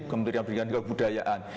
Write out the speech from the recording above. kementerian pendidikan dan kebudayaan